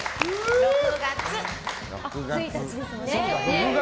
６月！